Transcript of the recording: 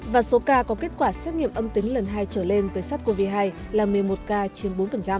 và số ca có kết quả xét nghiệm âm tính lần hai trở lên với sát covid một mươi chín là một mươi một ca chiếm bốn